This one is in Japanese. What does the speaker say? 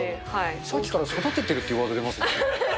さっきから育ててるっていうワード出ますね。